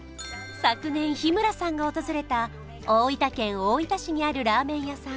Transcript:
昨年日村さんが訪れた大分県大分市にあるラーメン屋さん